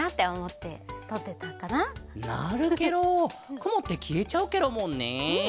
くもってきえちゃうケロもんね。